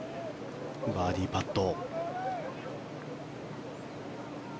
バーディーパット。